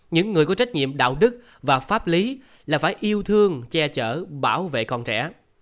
những người có trách nhiệm đạo đức và pháp lý là phải yêu thương che chở bảo vệ con trẻ